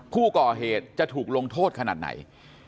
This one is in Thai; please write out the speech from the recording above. ผู้ก่อเหตุจะถูกลงโทษขนาดไหน